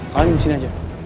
kalian disini aja